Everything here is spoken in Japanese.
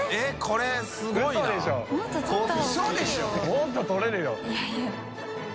もっと取れるよ。